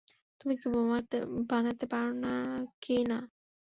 তুমি কি বোমা বানাতে পারো নাকি না?